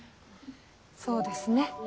そうですね。